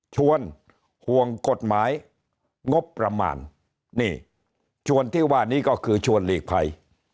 ห่วงกฎหมายงบประมาณนี่ชวนที่ว่านี้ก็คือชวนหลีกภัย